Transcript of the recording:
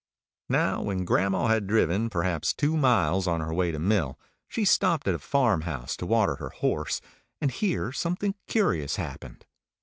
Now when grandma had driven perhaps two miles on her way to mill, she stopped at a farm house to water her horse; and here something curious happened.